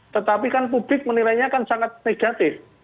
tetapi kan publik menilainya kan sangat negatif